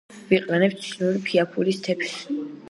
ვიყენებთ ჩინური ფაიფურის თეფშს